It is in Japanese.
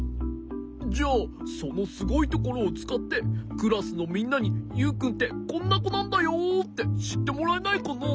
じゃあそのすごいところをつかってクラスのみんなにユウくんってこんなこなんだよってしってもらえないかな？